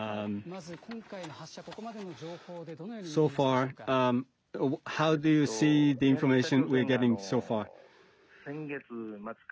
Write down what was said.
まず今回の発射、ここまでの情報でどのように見ていますでしょうか。